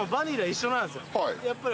やっぱり。